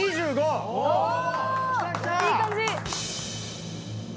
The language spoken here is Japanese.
いい感じ！